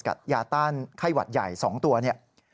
กับยาต้านไข้หวัดใหญ่๒ตัวเนี่ย